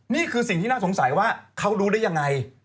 นี่คือสิ่งที่น่าสงสัยว่าเขารู้ได้ยังไง